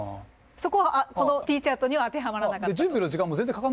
そこはこのＴチャートには当てはまらなかった。